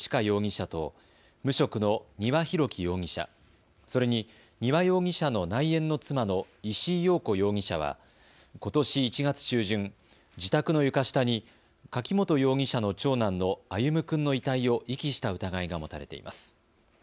容疑者と無職の丹羽洋樹容疑者、それに丹羽容疑者の内縁の妻の石井陽子容疑者はことし１月中旬自宅の床下に柿本容疑者の長男の歩夢君の遺体を遺棄した疑いが持たれています。